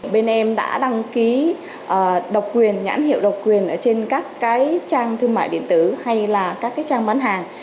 bên em đã đăng ký độc quyền nhãn hiệu độc quyền trên các trang thương mại điện tử hay là các trang bán hàng